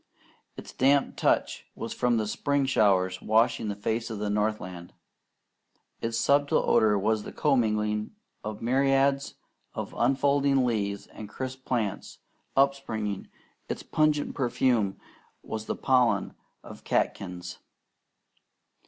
Its damp touch was from the spring showers washing the face of the northland. Its subtle odour was the commingling of myriads of unfolding leaves and crisp plants, upspringing; its pungent perfume was the pollen of catkins.